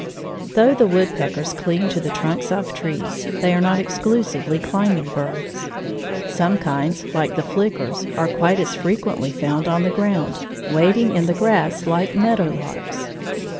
Though the woodpeckers cling to the trunks of trees, they are not exclusively climbing birds. Some kinds, like the flickers, are quite as frequently found on the ground, wading in the grass like meadowlarks.